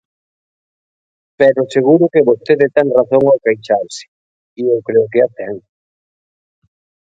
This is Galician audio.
Pero seguro que vostede ten razón ao queixarse, e eu creo que a ten.